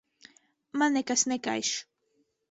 Man nekas nekaiš.